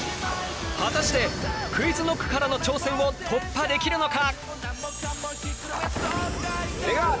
果たしてＱｕｉｚＫｎｏｃｋからの挑戦を突破できるのか！？